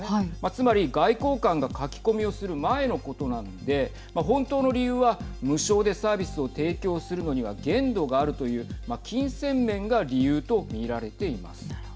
つまり外交官が書き込みをする前のことなので本当の理由は無償でサービスを提供するのには限度があるという金銭面が理由と見られています。